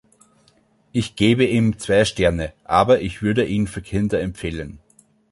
Ich gebe ihm zwei Sterne, aber ich würde ihn für Kinder empfehlen.